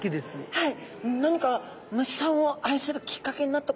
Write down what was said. はい。